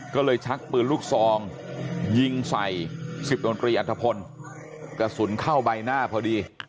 ก็เลยชักปืนลูกซองยิงใส่๑๐ดนตรีอัฐพลกระสุนเข้าใบหน้าพอดี